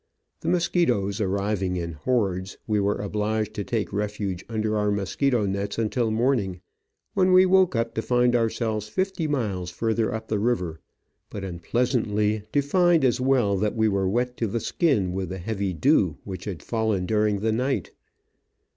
The mosquitoes arriving in hordes, we were obliged to take refuge under our mosquito nets until morning, when we woke up to find ourselves fifty miles further up the river, but, unpleasantly, to find as well that we were wet to the skin with the heavy dew which had fallen during the night.